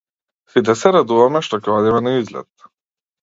Сите се радуваме што ќе одиме на излет.